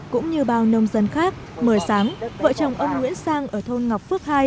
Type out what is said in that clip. cũng như bao nông dân khác mười sáng vợ chồng ông nguyễn sang ở thôn ngọc phước hai